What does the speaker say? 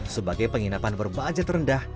sebagai penginapan berbudget rendah